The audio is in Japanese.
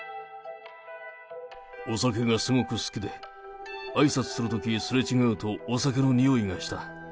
お酒がすごく好きで、あいさつするときすれ違うと、お酒のにおいがした。